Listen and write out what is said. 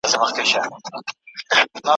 د سومنات او پاني پټ او میوندونو کیسې